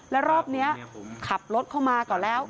แล้วรอบนี้ขับรถเข้ามาก่อนแล้ว